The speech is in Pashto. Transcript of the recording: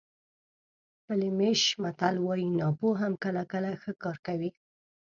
فلیمیش متل وایي ناپوه هم کله کله ښه کار کوي.